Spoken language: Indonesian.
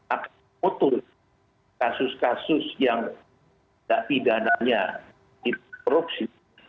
akan memutuskan kasus kasus yang tidak pidananya diperruksi